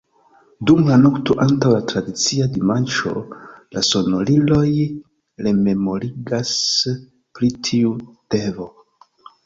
Dum la nokto antaŭ la tradicia dimanĉo, la sonoriloj rememorigas pri tiu devo.